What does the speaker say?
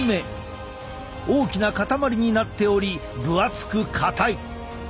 大きなかたまりになっており分厚く硬い。